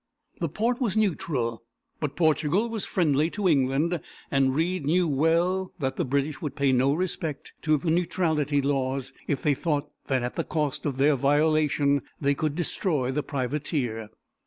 The port was neutral, but Portugal was friendly to England, and Reid knew well that the British would pay no respect to the neutrality laws if they thought that at the cost of their violation they could destroy the privateer.